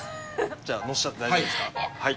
じゃあのせちゃって大丈夫ですか？